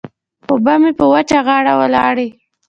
اوبه مې په وچه غاړه ولاړې.